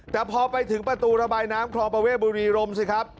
แต่พอไปถึงประตูระบายน้ำคลองประเวทบุรีรมสิครับ